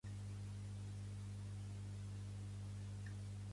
Animal que encara mama, aquí i a Riga.